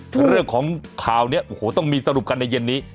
คือเรื่องของข่าวนี้โอ้โหต้องมีสรุปกันในเย็นนี้